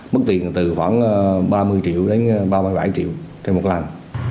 mức tiền từ khoảng ba mươi triệu đến ba mươi bảy triệu trên một lần